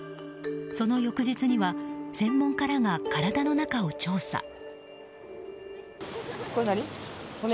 その翌日には専門家らが体の中を調査。